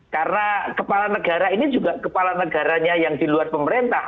karena kepala negara ini juga kepala negaranya yang di luar pemerintah